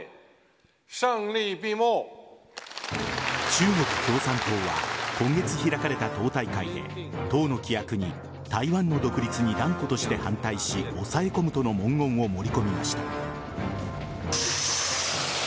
中国共産党は今月開かれた党大会で党の規約に台湾の独立に断固として反対し抑え込むとの文言を盛り込みました。